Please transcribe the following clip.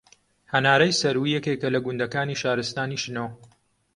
هەنارەی سەروو یەکێکە لە گوندەکانی شارستانی شنۆ